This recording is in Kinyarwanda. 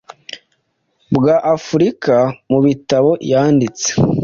bwa Afurika mubitabo yanditse